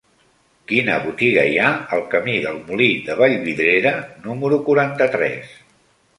Quina botiga hi ha al camí del Molí de Vallvidrera número quaranta-tres?